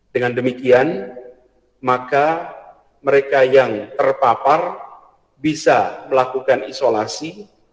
dengan demikian maka mereka yang terpapar bisa melakukan isolasi